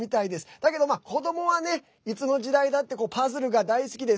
だけど、子どもはねいつの時代だってパズルが大好きです。